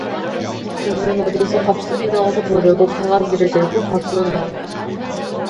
그는 어디서 밥술이나 얻어 보려고 바가지를 들고 밖으로 나왔다.